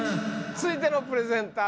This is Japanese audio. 続いてのプレゼンター